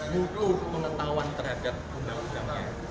butuh pengetahuan terhadap undang undangnya